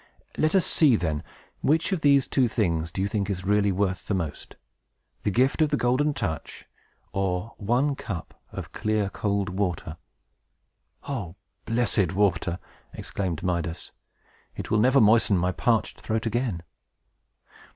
"Let us see, then. Which of these two things do you think is really worth the most, the gift of the Golden Touch, or one cup of clear cold water?" "O blessed water!" exclaimed Midas. "It will never moisten my parched throat again!"